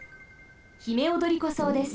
ヒメオドリコソウです。